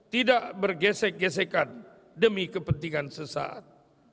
tidak bergesek gesekan demi kepentingan sesaat